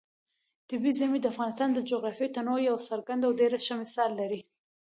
طبیعي زیرمې د افغانستان د جغرافیوي تنوع یو څرګند او ډېر ښه مثال دی.